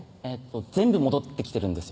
全部戻ってきてるんですよ